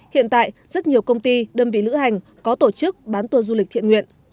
hiện tại rất nhiều công ty đơn vị lữ hành có tổ chức bán tour du lịch thiện nguyện